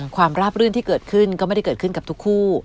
ราบรื่นที่เกิดขึ้นก็ไม่ได้เกิดขึ้นกับทุกคู่